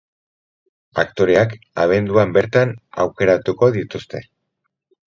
Aktoreak abenduan bertan aukeratuko dituzte.